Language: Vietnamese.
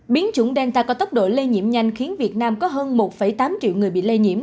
biến chủng delta có tốc độ lây nhiễm nhanh khiến việt nam có hơn một tám triệu người bị lây nhiễm